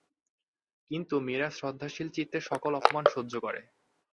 কিন্তু মীরা শ্রদ্ধাশীল চিত্তে সকল অপমান সহ্য করে।